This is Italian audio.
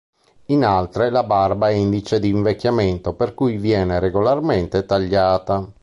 In altre la barba è indice di invecchiamento, per cui viene regolarmente tagliata.